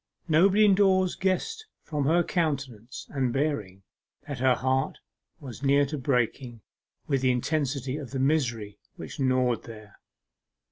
Nobody indoors guessed from her countenance and bearing that her heart was near to breaking with the intensity of the misery which gnawed there.